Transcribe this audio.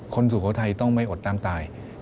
สุโขทัยต้องไม่อดน้ำตาย